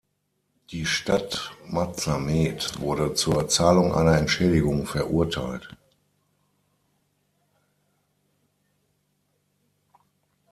Die Stadt Mazamet wurde zur Zahlung einer Entschädigung verurteilt.